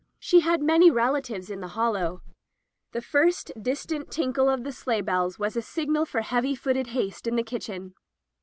She had many relatives in the Hollow. The first dis tant tinkle of the sleigh bells was a signal for heavy footed haste in the kitchen.